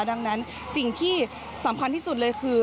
ดังนั้นสิ่งที่สำคัญที่สุดเลยคือ